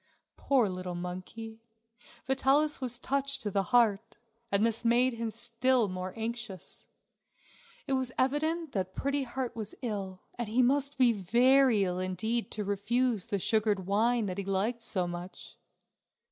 Poor little monkey! Vitalis was touched to the heart, and this made him still more anxious. It was evident that Pretty Heart was ill and he must be very ill indeed to refuse the sugared wine that he liked so much.